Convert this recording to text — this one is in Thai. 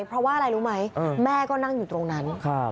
เพราะว่าอะไรรู้ไหมแม่ก็นั่งอยู่ตรงนั้น